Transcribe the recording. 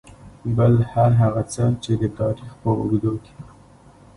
بل هر هغه څه چې د تاريخ په اوږدو کې .